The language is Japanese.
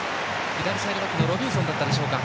左サイドバックのロビンソンだったでしょうか。